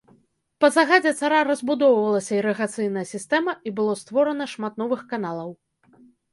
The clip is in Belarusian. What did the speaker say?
Па загадзе цара разбудоўвалася ірыгацыйная сістэма і было створана шмат новых каналаў.